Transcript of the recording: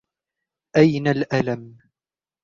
أين الألم ؟